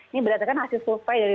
ini berdasarkan hasil survei dari